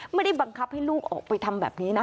ไม่ได้บังคับให้ลูกออกไปทำแบบนี้นะ